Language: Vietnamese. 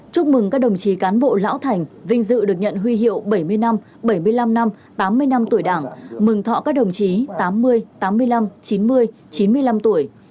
chúc mừng các đồng chí cán bộ lão thành vinh dự được nhận huy hiệu bảy mươi năm bảy mươi năm năm tám mươi năm tuổi đảng mừng thọ các đồng chí tám mươi tám mươi năm chín mươi chín mươi năm tuổi